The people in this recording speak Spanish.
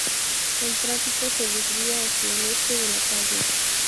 El tráfico se desvía hacia el este de la calle.